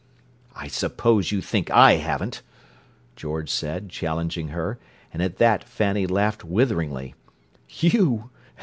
"I suppose you think I haven't!" George said, challenging her, and at that Fanny laughed witheringly. "You!